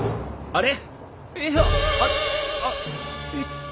あれ？